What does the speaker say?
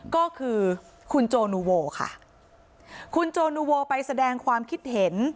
ก็คือคุณโจนูโวค่ะคุณโจนูโวไปแสดงความคิดเห็น